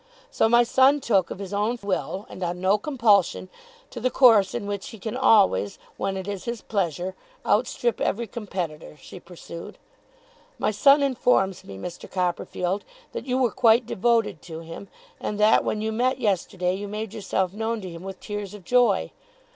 'So my son took, of his own will, and on no compulsion, to the course in which he can always, when it is his pleasure, outstrip every competitor,' she pursued. 'My son informs me, Mr. Copperfield, that you were quite devoted to him, and that when you met yesterday you made yourself known to him with tears of joy.